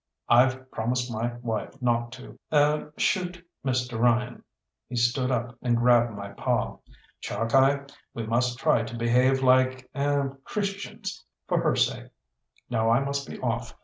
I've promised my wife not to er shoot Mr. Ryan." He stood up and grabbed my paw. "Chalkeye, we must try to behave like er Christians, for her sake. Now I must be off.